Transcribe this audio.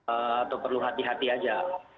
atau perlu hati hati saja